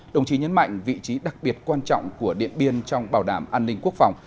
đồng chí nhấn mạnh vị trí đặc biệt quan trọng của điện biên trong bảo đảm an ninh quốc phòng